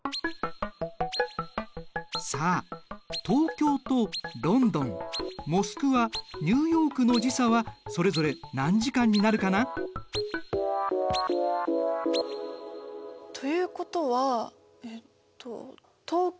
さあ東京とロンドンモスクワニューヨークの時差はそれぞれ何時間になるかな？ということはえっと